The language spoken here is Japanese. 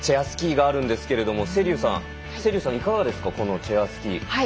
スキーがあるんですけれども瀬立さん、いかがですかこのチェアスキー。